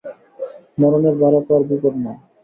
মরণের বাড়া তো আর বিপদ নাই।